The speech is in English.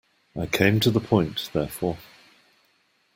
I came to the point, therefore.